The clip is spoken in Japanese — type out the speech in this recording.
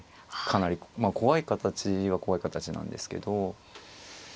かなり怖い形は怖い形なんですけど。